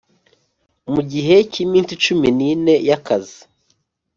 mu gihe cy iminsi cumi n ine y akazi